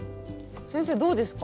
先生どうですか？